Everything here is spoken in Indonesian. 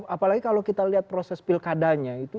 apalagi kalau kita lihat proses pilkadanya itu